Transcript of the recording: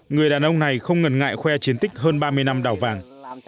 người đàn ông này không ngần ngại khoe chiến tích hơn ba mươi năm đào vàng